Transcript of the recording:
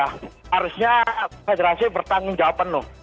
harusnya federasi bertanggung jawab penuh